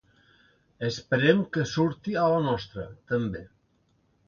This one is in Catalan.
Esperem que surti a la nostra, també.